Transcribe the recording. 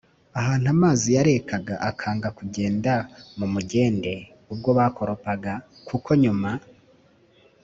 ahantu amazi yarekaga akanga kugenda mu mugende ubwo bakoropaga, kuko nyuma